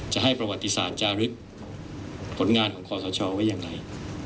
จะให้ประวัติศาสตร์จารึกผลงานของขอสชไว้อย่างไร